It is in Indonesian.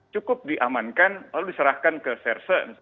cukup diamankan lalu diserahkan ke sersen